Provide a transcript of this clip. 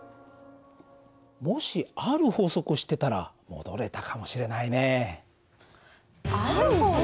もしある法則を知ってたら戻れたかもしれないね。